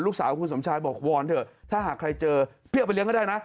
ลูกสาวคุณสมชายบอกวอนเถอะถ้าหากใครเจอพี่เอาไปเลี้ยก็ได้นะ